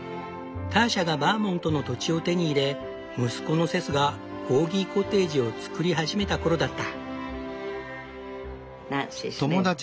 ターシャがバーモントの土地を手に入れ息子のセスがコーギコテージを造り始めたころだった。